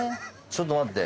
ちょっと待って。